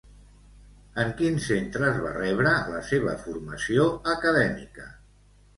En quins centres va rebre la seva formació acadèmica?